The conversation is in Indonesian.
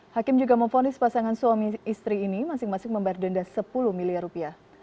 hakim juga memfonis pasangan suami istri ini masing masing membayar denda sepuluh miliar rupiah